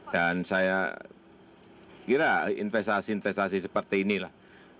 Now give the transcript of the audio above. dan saya kira investasi investasi seperti inilah